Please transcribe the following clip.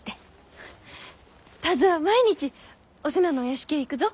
田鶴は毎日お瀬名のお屋敷へ行くぞ。